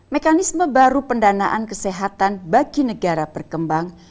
mekanisme baru pendanaan kesehatan bagi negara berkembang